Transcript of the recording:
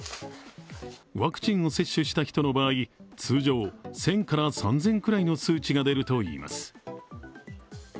ワクチンを接種した人の場合、通常１０００３０００くらいの数値が出るといいます。